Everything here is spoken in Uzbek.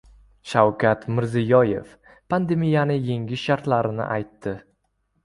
Shavkat Mirziyoev pandemiyani yengish shartlarini aytdi